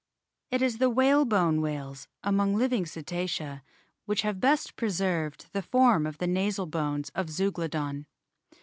It is the whalebone whales among living Cetacea which have best pre served the form of the nasal bones of Zeuglodon.